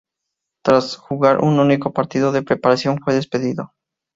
Tras jugar un único partido de preparación, fue despedido.